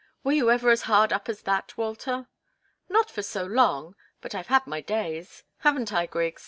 "Were you ever as hard up as that, Walter?" "Not for so long; but I've had my days. Haven't I, Griggs?